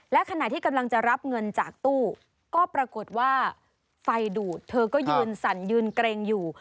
และขณะที่กำลังจะรับเงินจากตู้ก็ปรากฏว่าไฟดูดเธอก็ยืนสั่นยืนเกรงอยู่